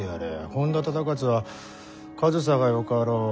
本多忠勝は上総がよかろう。